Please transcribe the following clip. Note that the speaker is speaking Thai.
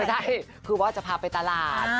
ใช่คือว่าจะพาไปตลาด